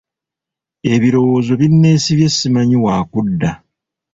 Ebirowoozo binneesibye simanyi wa kudda.